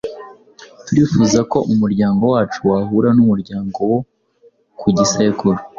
turifuza ko umuryango wacu wahura n’umuryango wo ku gisekuru